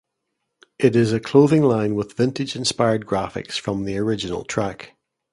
It is a clothing line with vintage-inspired graphics from the original track.